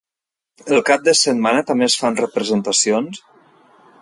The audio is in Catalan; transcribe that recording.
El cap de setmana també es fan representacions?